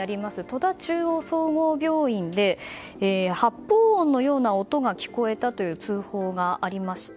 戸田中央総合病院で発砲音のような音が聞こえたと通報がありました。